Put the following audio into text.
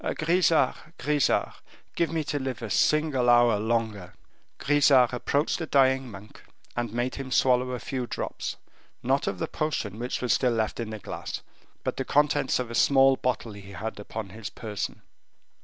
Grisart, Grisart, give me to live a single hour longer." Grisart approached the dying monk, and made him swallow a few drops, not of the potion which was still left in the glass, but of the contents of a small bottle he had upon his person.